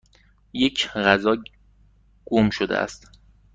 یک غذا گم شده است.